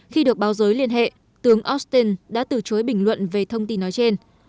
khi được báo giới liên hệ tướng austin đã từ chối bình luận về thông tin nói trên